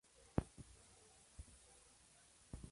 Stephan de los benedictinos.